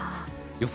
予想